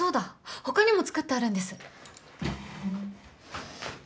ほかにも作ってあるんです